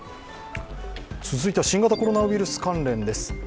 続いては新型コロナウイルス関連です。